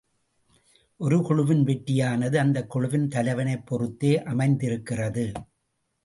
ஒரு குழுவின் வெற்றியானது அந்தக் குழுவின் தலைவனைப் பொறுத்தே அமைந்திருக்கிறது.